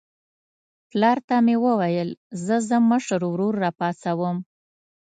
پلار ته مې وویل زه ځم مشر ورور راپاڅوم.